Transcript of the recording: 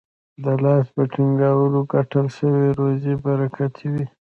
د لاس په تڼاکو ګټل سوې روزي برکتي وي.